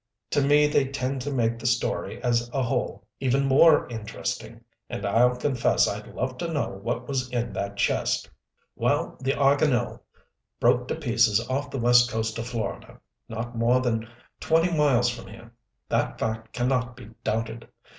To me they tend to make the story as a whole even more interesting and I'll confess I'd love to know what was in that chest. "Well, the Arganil broke to pieces off the west coast of Florida, not more than twenty miles from here. That fact can not be doubted.